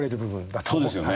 そうですよね？